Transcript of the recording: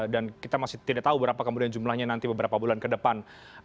dan kita masih tidak tahu berapa kemudian jumlahnya nanti beberapa bulan ke depan